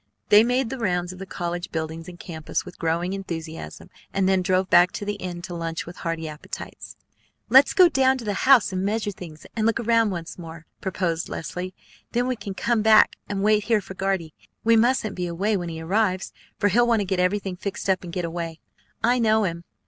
They made the rounds of the college buildings and campus with growing enthusiasm, and then drove back to the inn to lunch with hearty appetites. "Let's go down to the house, and measure things, and look around once more," proposed Leslie. "Then we can come back and wait here for Guardy. We mustn't be away when he arrives, for he'll want to get everything fixed up and get away. I know him.